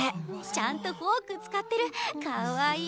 ちゃんとフォーク使ってる可愛い！